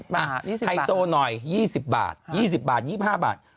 ๒๕บาทฮัยโซนอย๒๐บาท๒๐๒๕บาท